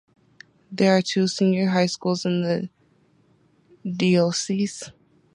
There are two Senior High Schools in the Diocese.